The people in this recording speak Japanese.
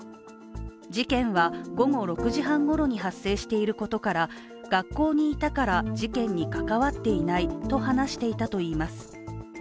事件は午後６時半ごろに発生していることから学校にいたから事件に関わっていないと話していたといいます。